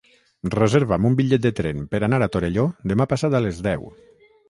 Reserva'm un bitllet de tren per anar a Torelló demà passat a les deu.